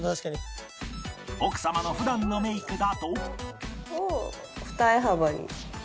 奥様の普段のメイクだと